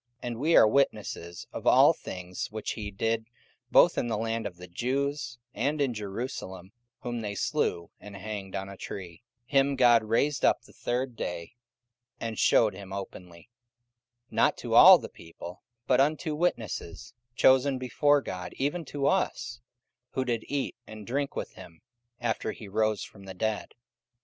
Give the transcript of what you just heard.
44:010:039 And we are witnesses of all things which he did both in the land of the Jews, and in Jerusalem; whom they slew and hanged on a tree: 44:010:040 Him God raised up the third day, and shewed him openly; 44:010:041 Not to all the people, but unto witnesses chosen before God, even to us, who did eat and drink with him after he rose from the dead.